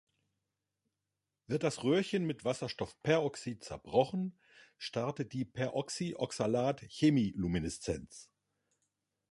Wird das Röhrchen mit Wasserstoffperoxid zerbrochen, startet die Peroxyoxalat-Chemilumineszenz.